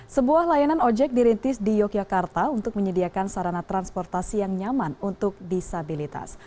sebuah layanan ojek dirintis di yogyakarta untuk menyediakan sarana transportasi yang nyaman untuk disabilitas